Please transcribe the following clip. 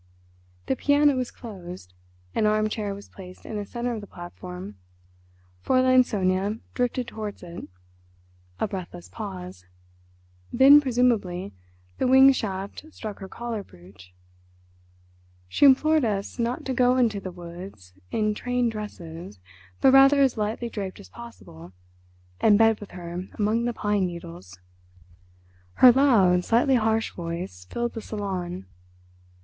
The piano was closed, an arm chair was placed in the centre of the platform. Fräulein Sonia drifted towards it. A breathless pause. Then, presumably, the winged shaft struck her collar brooch. She implored us not to go into the woods in trained dresses, but rather as lightly draped as possible, and bed with her among the pine needles. Her loud, slightly harsh voice filled the salon.